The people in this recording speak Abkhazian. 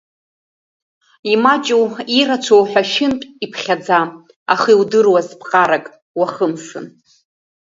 Имаҷу ирацәоу ҳәа шәынтә иԥхьаӡа, аха иудыруаз ԥҟарак, уахымсын…